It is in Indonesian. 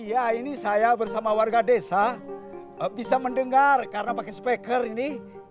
iya ini saya bersama warga desa bisa mendengar karena pakai speaker ini